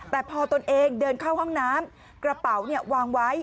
แต่พอตนเองเดินเข้าห้องน้ำกระเป๋าวางไว้